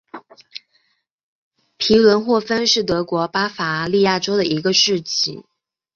皮伦霍芬是德国巴伐利亚州的一个市镇。